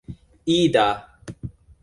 ida